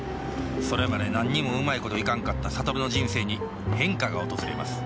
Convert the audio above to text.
それまで何にもうまいこといかんかった諭の人生に変化が訪れます